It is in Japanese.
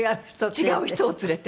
違う人を連れて。